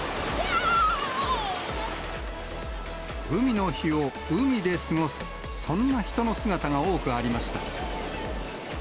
海の日を海で過ごす、そんな人の姿が多くありました。